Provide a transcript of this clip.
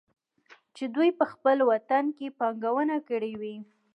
چې دوي په خپل وطن کې پانګونه کړى وى.